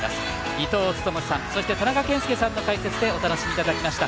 伊東勤さん田中賢介さんの解説でお楽しみいただきました。